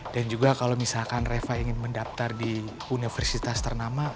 dan juga kalau misalkan reva ingin mendaftar di universitas ternama